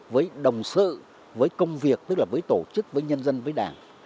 với đồng sự với công việc tức là với tổ chức với nhân dân với đảng